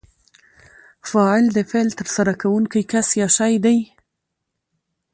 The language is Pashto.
فاعل د فعل ترسره کوونکی کس یا شی دئ.